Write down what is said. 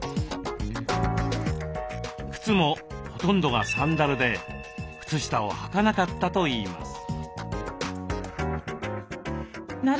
靴もほとんどがサンダルで靴下をはかなかったといいます。